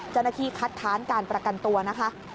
เจ้าหน้าที่คัดค้านการประกันตัวนะคะ